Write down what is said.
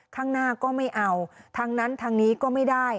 ข้างหน้าก็ไม่เอาทางนั้นทางนี้ก็ไม่ได้